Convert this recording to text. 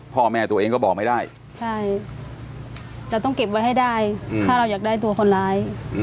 พ่อแม่ตัวเองก็บอกไม่ได้ใช่จะต้องเก็บไว้ให้ได้ถ้าเราอยากได้ตัวคนร้าย